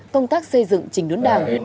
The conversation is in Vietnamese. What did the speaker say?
công tác xây dựng trình đốn đảng